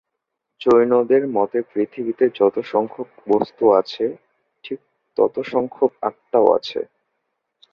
জৈনদের মতে, পৃথিবীতে যত সংখ্যক বস্ত্ত আছে, ঠিক ততো সংখ্যক আত্মাও আছে।